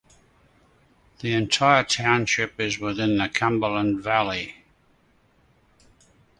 The entire township is within the Cumberland Valley.